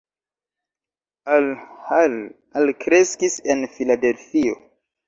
Al Hall alkreskis en Filadelfio.